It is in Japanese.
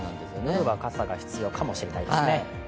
夜は傘が必要かもしれないですね。